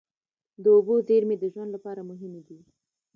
د اوبو زیرمې د ژوند لپاره مهمې دي.